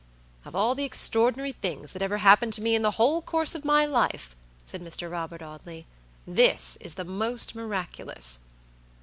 "Of all the extraordinary things that ever happened to me in the whole course of my life," said Mr. Robert Audley, "this is the most miraculous!"